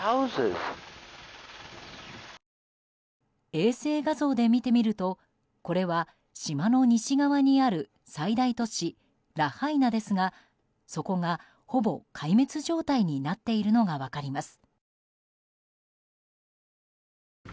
衛星画像で見てみるとこれは島の西側にある最大都市ラハイナですがそこがほぼ壊滅状態になっているのが分かります。